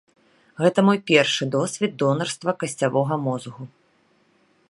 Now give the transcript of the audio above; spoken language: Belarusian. Гэта мой першы досвед донарства касцявога мозгу.